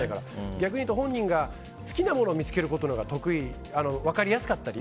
逆に言うと本人が好きなこと見つけるほうが分かりやすかったり。